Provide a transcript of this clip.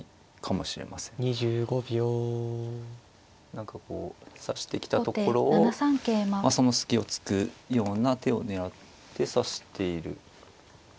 何かこう指してきたところをその隙をつくような手を狙って指している。